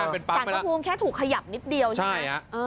สารพระภูมิแค่ถูกขยับนิดเดียวใช่ไหม